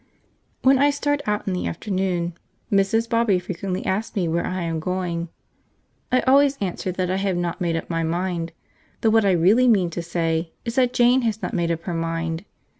When I start out in the afternoon, Mrs. Bobby frequently asks me where I am going. I always answer that I have not made up my mind, though what I really mean to say is that Jane has not made up her mind.